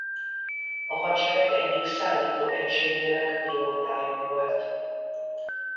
A hadsereg egyik szállító egységének pilótája volt.